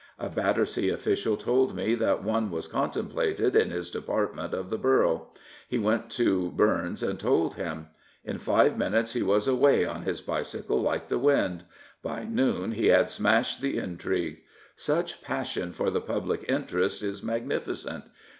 A Battersea official told me that one was contemplated in his department of the borough. He went to Bums and told him. In five minutes he was away on his bicycle like the wind. By noon he had smashed the intrigue. Such passion for the public interest is magnificent.